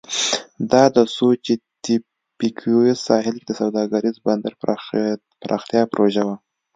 دا د سوچیتپیکویز ساحل کې د سوداګریز بندر پراختیا پروژه وه.